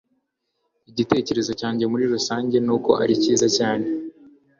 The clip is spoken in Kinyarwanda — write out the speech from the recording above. Igitekerezo cyanjye muri rusange nuko ari cyiza cyane